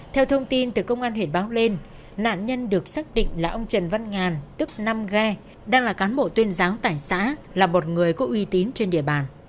theo thông tin từ công an huyện báo lên nạn nhân được xác định là ông trần văn ngàn tức năm ghe đang là cán bộ tuyên giáo tại xã là một người có uy tín trên địa bàn